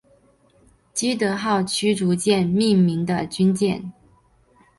基德号驱逐舰命名的军舰。